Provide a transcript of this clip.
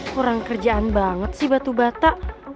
kurang kerjaan banget sih batu bata